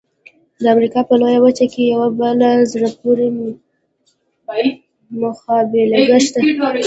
د امریکا په لویه وچه کې یوه بله په زړه پورې مخبېلګه شته.